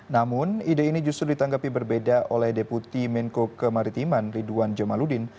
namun ide ini justru ditanggapi berbeda oleh deputi menko kemaritiman ridwan jamaludin